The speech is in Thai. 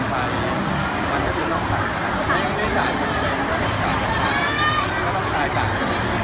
แต่ว่าผมไม่รู้จริงว่าใช้